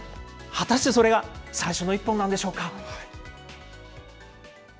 果たしてそれが最初の１本なんでしょうか。